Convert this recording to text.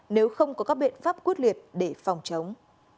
nếu không có các biện pháp quyết liệt để phòng chống